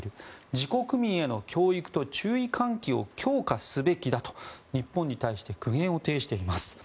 自国民への教育と注意喚起を強化すべきだと日本に対して苦言を呈しています。